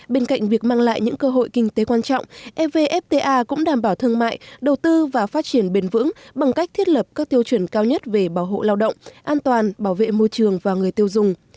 bên cạnh việc mang lại những cơ hội kinh tế quan trọng evfta cũng đảm bảo thương mại đầu tư và phát triển bền vững bằng cách thiết lập các tiêu chuẩn cao nhất về bảo hộ lao động an toàn bảo vệ môi trường và người tiêu dùng